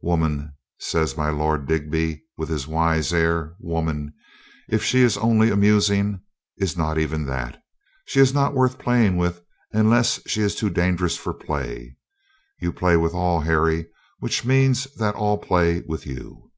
"Woman," says my Lord Digby with his wise air, "woman, if she is only amusing, is not even that. She is not worth playing with unless she is too dangerous for play. You play with all, Harry, which means that all play with you."